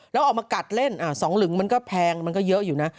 แล้วออกมากัดเล่น๒หลึงมันก็แพงมันก็เยอะอยู่นะ